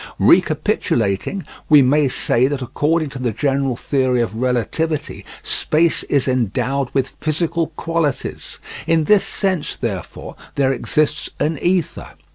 Recapitulating, we may say that according to the general theory of relativity space is endowed with physical qualities; in this sense, therefore, there exists an ether.